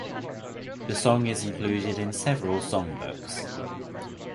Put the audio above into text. The song is included in several songbooks.